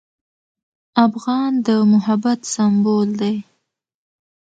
افغان د محبت سمبول دی.